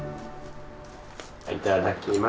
いただきます。